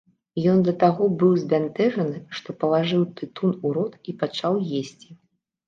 Ён да таго быў збянтэжаны, што палажыў тытун у рот і пачаў есці.